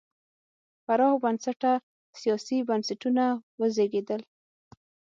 پراخ بنسټه سیاسي بنسټونه وزېږېدل.